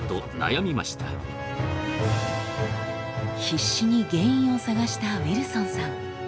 必死に原因を探したウィルソンさん。